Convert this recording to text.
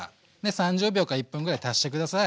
３０秒か１分ぐらい足して下さい。